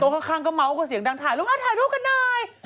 แล้วก็ตรงข้างก็เมาส์กับเสียงดังถ่ายลูกอ่ะถ่ายรูปกันได้